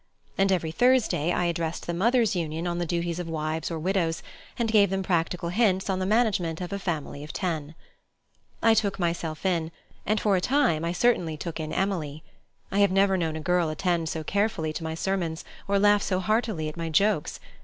And every Thursday I addressed the Mothers' Union on the duties of wives or widows, and gave them practical hints on the management of a family of ten. I took myself in, and for a time I certainly took in Emily. I have never known a girl attend so carefully to my sermons, or laugh so heartily at my jokes.